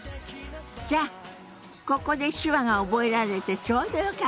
じゃあここで手話が覚えられてちょうどよかったわね。